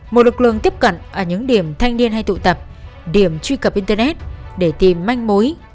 một lực lượng tiếp cận ở những điểm thanh niên hay tụ tập điểm truy cập internet để tìm manh mối